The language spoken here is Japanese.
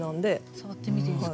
触ってみていいですか？